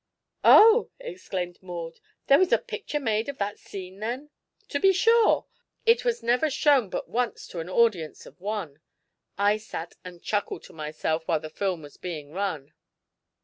"Oh!" exclaimed Maud. "There was a picture made of that scene, then?" "To be sure. It was never shown but once to an audience of one. I sat and chuckled to myself while the film was being run."